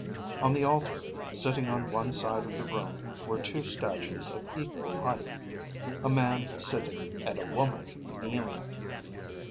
On the altar sitting on one side of the room were two statues of equal height: a man sitting, and a woman kneeling.